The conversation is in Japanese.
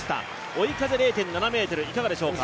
追い風０．７ｍ、いかがでしょうか？